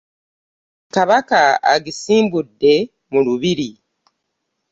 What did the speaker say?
Kabaka agisimbudde mu lubiri.